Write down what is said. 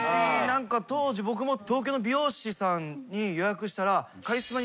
当時僕も東京の美容師さんに予約したら。